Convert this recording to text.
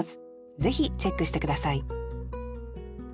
ぜひチェックして下さい